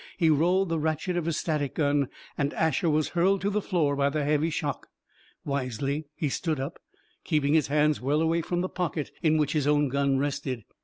He rolled the ratchet of his static gun and Asher was hurled to the floor by the heavy shock. Wisely, he stood up, keeping his hands well away from the pocket in which his own gun rested.